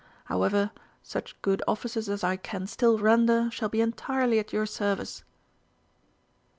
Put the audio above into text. However, such good offices as I can still render shall be entirely at your service."